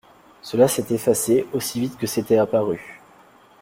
Cela s’est effacé aussi vite que c’était apparu.